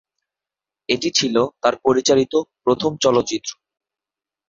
এটি ছিল তার পরিচালিত প্রথম চলচ্চিত্র।